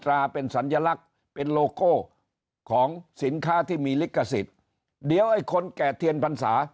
ราเป็นสัญลักษณ์เป็นโลโก้ของสินค้าที่มีลิขสิทธิ์เดี๋ยวไอ้คนแก่เทียนพรรษา